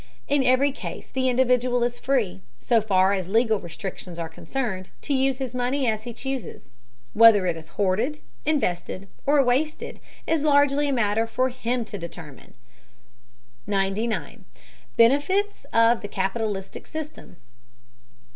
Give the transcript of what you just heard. In every case the individual is free, so far as legal restrictions are concerned, to use his money as he chooses. Whether it is hoarded, invested, or wasted is largely a matter for him to determine. 99. BENEFITS OF THE CAPITALISTIC SYSTEM.